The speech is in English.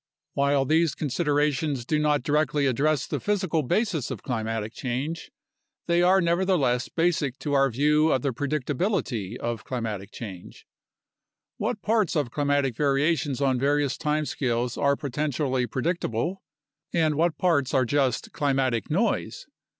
While these considerations do not directly address the physical basis of climatic change,, they are nevertheless basic to our view of the pre dictability of climatic change. What parts of climatic variations on various time scales are potentially predictable, and what parts are just climatic noise?